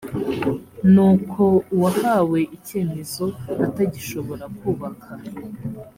ni uko uwahawe icyemezo atagishobora kubaka